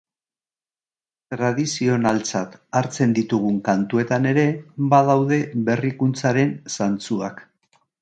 Tradizionaltzat hartzen ditugun kantuetan ere badaude berrikuntzaren zantzuak.